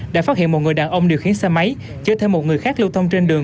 đã phát hiện một người đàn ông điều khiến xe máy chở thêm một người khác lưu thông trên đường